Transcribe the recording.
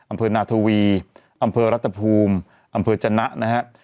อำเภอนาทวีอำเภอรัตภูมิอำเภอจนะนะฮะ